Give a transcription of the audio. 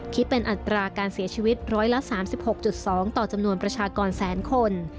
คิดเป็นอัตราการเสียชีวิต๑๓๖๒ต่อจำนวนประชากรแสนคน